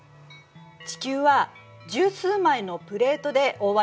地球は１０数枚のプレートで覆われているでしょ。